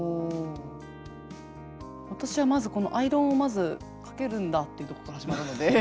私はまずアイロンをかけるんだっていうところから始まるので。